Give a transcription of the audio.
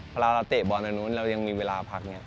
เพราะเราก็เตะบอลตรงนั้นแล้วเรายังมีเวลาพักอย่างนี้